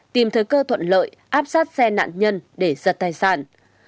tìm thấy cơ thuận lợi áp sát xe nạn nhân để giật tài sản